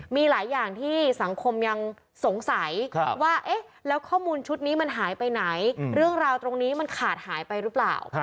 มีหลายอย่างที่สังคมยังสงสัยว่าเอ๊ะแล้วข้อมูลชุดนี้มันหายไปไหนเรื่องราวตรงนี้มันขาดหายไปหรือเปล่า